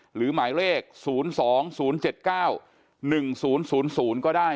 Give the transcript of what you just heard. หรือหมายเลข๐๒๐๗๙๑๐๐ก็ได้